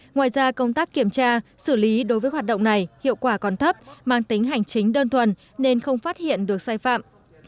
ngoài ra công tác kiểm tra xử lý đối với hoạt động này hiệu quả còn thấp mang tính hành chính đơn thuần nên không phát hiện được sai phạm